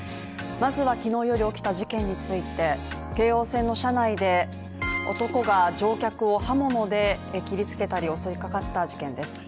まずは昨日より起きた事件について、京王線の車内で男が乗客を刃物で切りつけたり襲いかかった事件です。